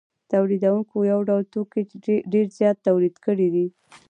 تولیدونکو یو ډول توکي ډېر زیات تولید کړي دي